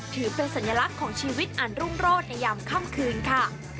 ถือเป็นสัญลักษณ์ของชีวิตอันรุ่งโรธในยามค่ำคืนค่ะ